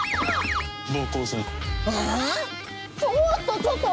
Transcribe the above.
ちょっとちょっと！